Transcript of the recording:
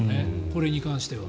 これに関しては。